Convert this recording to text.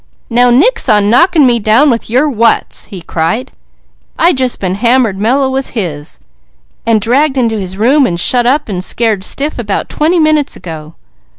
"Now nix on knocking me down with your 'whats!'" he cried. "I just been hammered meller with his, and dragged into his room, and shut up, and scared stiff, about twenty minutes ago."